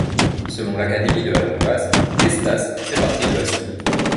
Selon l'Académie de la langue basque, Gestas fait partie de la Soule.